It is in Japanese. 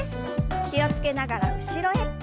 気を付けながら後ろへ。